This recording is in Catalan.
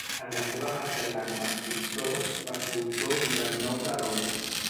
En la seva faceta com a escriptor va ser autor d'un gran nombre d'obres.